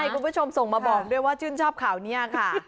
คุณผู้ชมส่งมาบอกด้วยว่าชื่นชอบข่าวนี้ค่ะ